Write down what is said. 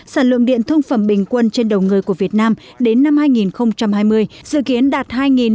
sản lượng điện thương phẩm bình quân trên đầu người của việt nam đến năm hai nghìn hai mươi dự kiến đạt